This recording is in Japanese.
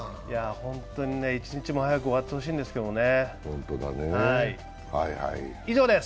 本当に一日も早く終わってほしいんですけどね。